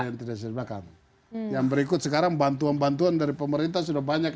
yang bisa dimakan begitu yang berikut sekarang bantuan bantuan dari pemerintah sudah banyak